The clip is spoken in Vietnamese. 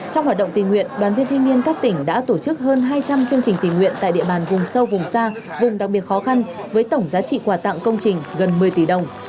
trong hoạt động tình nguyện đoàn viên thanh niên các tỉnh đã tổ chức hơn hai trăm linh chương trình tình nguyện tại địa bàn vùng sâu vùng xa vùng đặc biệt khó khăn với tổng giá trị quà tặng công trình gần một mươi tỷ đồng